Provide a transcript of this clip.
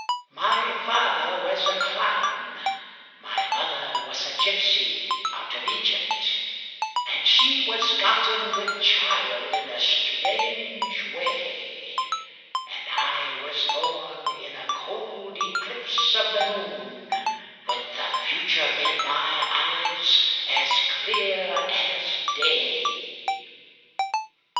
. My father was a clown, My mother was a gypsy out of Egypt; And she was gotten with child in a strange way; And I was born in a cold eclipse of the moon, With the future in my eyes as clear as day.'